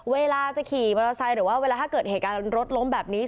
เวลาจะขี่มอเตอร์ไซค์หรือว่าเวลาถ้าเกิดเหตุการณ์รถล้มแบบนี้